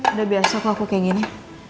udah biasa kok aku kayak gini